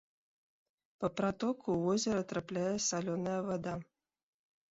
Па пратоку ў возера трапляе салёная вада.